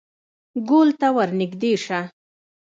_ګول ته ور نږدې شه.